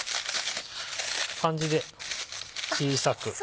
こんな感じで小さく。